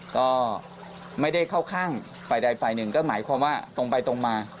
ก็ไม่ได้เข้าข้างฝ่ายใดฝ่ายหนึ่งก็หมายความว่าตรงไปตรงมา